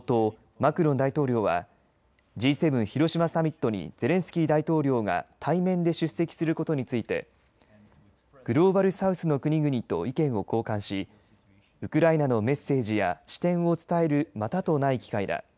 マクロン大統領はＧ７広島サミットにゼレンスキー大統領が対面で出席することについてグローバル・サウスの国々と意見を交換しウクライナのメッセージや視点を伝えるまたとない機会だ